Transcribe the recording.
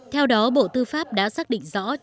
theo đó bộ tư pháp đã xác định rõ